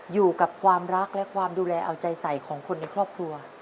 อยู่กับความรักและความดูแลเอาใจใส่ของคนในครอบครัว